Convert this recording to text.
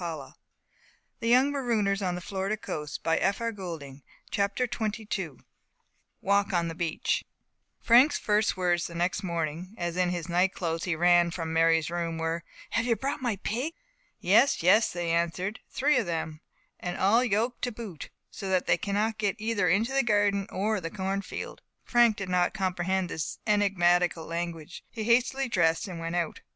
CHAPTER XXII FRANK AND HIS "PIGS" THE CAGE WALK ON THE BEACH IMMENSE CRAWFISH THE MUSEUM NAMING THE ISLAND Frank's first words the next morning, as in his night clothes he ran from Mary's room, were, "Have you brought my pig?" "Yes! yes!" they answered, "three of them; and all yoked to boot, so that they cannot get either into the garden or the cornfield." Frank did not comprehend this enigmatical language; he hastily dressed and went out.